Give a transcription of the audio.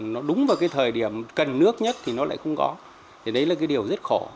nó đúng vào cái thời điểm cần nước nhất thì nó lại không có thì đấy là cái điều rất khổ